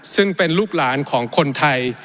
ซึ่งเป็นลูกหลานของคนไทย